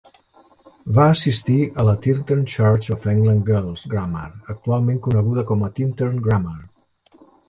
Va assistir a la Tintern Church of England Girls' Grammar, actualment coneguda com a Tintern Grammar.